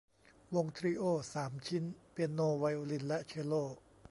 วงทรีโอสามชิ้น เปียโน ไวโอลิน และเชลโล